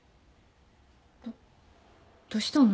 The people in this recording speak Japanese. どっどうしたの？